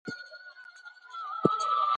کمې روښانه او تښتېدونکې سیارې اوس موندل کېږي.